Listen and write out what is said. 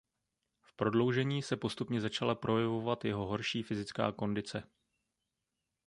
V prodloužení se postupně začala projevovat jeho horší fyzická kondice.